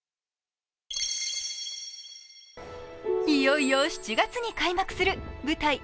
いよいよ７月に開幕する舞台